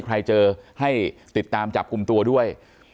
ใครเจอให้ติดตามจับกลุ่มตัวด้วย